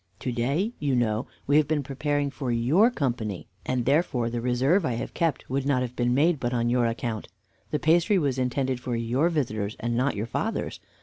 To day, you know, we have been preparing for your company, and therefore the reserve I have kept would not have been made but on your account. The pastry was intended for your visitors, and not your father's.